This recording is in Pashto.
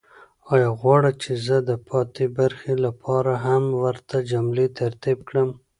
آیا غواړئ چې زه د پاتې برخې لپاره هم ورته جملې ترتیب کړم؟